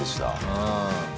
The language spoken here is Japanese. うん。